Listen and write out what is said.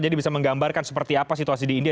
jadi bisa menggambarkan seperti apa situasi di india